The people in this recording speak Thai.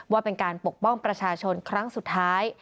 ว่าเป็นการปกป้องประชาชนครั้งสุดท้าย